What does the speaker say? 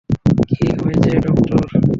কী হয়েছে, ডক্টর?